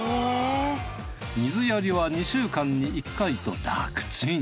水やりは２週間に１回と楽ちん。